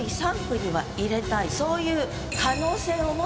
そういう。